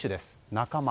仲間。